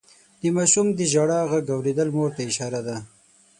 د ماشوم د ژړا غږ اورېدل مور ته اشاره ده.